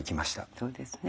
そうですね。